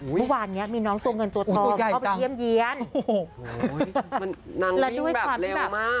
อุ้ยตัวใหญ่จังโอ้โหมันนางวิ่งแบบเร็วมากแล้วด้วยความที่แบบ